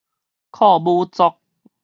靠母族